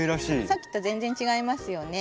さっきと全然違いますよね。